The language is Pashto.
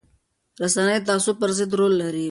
رسنۍ د تعصب پر ضد رول لري